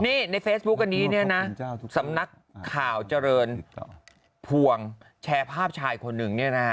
นี่ในเฟซบุ๊กอันนี้นะสำนักข่าวเจริญพวงแชร์ภาพชายคนหนึ่ง